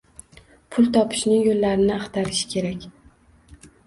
Pul topishni yo’llarini axtarish kerak